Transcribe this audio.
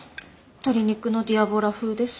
鶏肉のディアボラ風です。